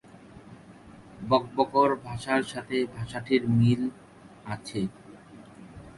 ককবরক ভাষার সাথে ভাষাটির মিল আছে।